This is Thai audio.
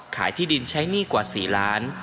ที่ดินใช้หนี้กว่า๔ล้าน